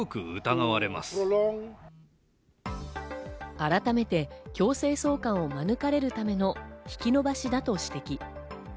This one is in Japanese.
改めて強制送還を免れるための引き延ばしだと指摘。